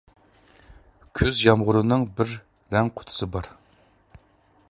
كۈز يامغۇرىنىڭ بىر رەڭ قۇتىسى بار.